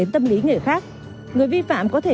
tạo cho người ta cái